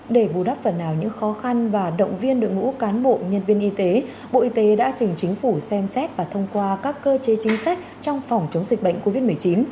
để bù đắp phần nào những khó khăn và động viên đội ngũ cán bộ nhân viên y tế bộ y tế đã trình chính phủ xem xét và thông qua các cơ chế chính sách trong phòng chống dịch bệnh covid một mươi chín